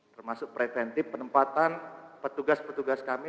termasuk preventif penempatan petugas petugas kami